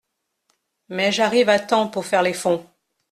Mais j’arrive à temps pour faire les fonds…